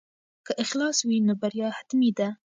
که اخلاص وي نو بریا حتمي ده.